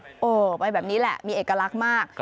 โอ้โหไปแบบนี้แหละมีเอกลักษณ์มาก